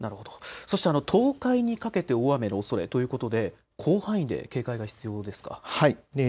そして東海にかけて大雨のおそれということで広範囲で警戒が必要ですか。